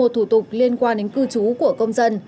một mươi một thủ tục liên quan đến cư trú của công dân